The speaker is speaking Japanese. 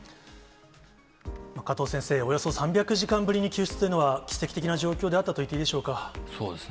加藤先生、およそ３００時間ぶりに救出というのは、奇跡的な状況であったとそうですね。